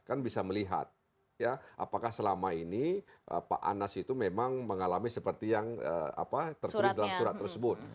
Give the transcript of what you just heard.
kan bisa melihat ya apakah selama ini pak anas itu memang mengalami seperti yang tertulis dalam surat tersebut